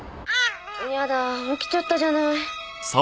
やだ起きちゃったじゃない。